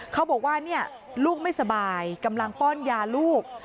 เขาบอกว่าลูกไม่สบายกำลังป้อนยาลูก